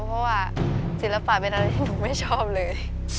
เพราะว่าศิลปะเป็นอะไรที่หนูไม่ชอบเลย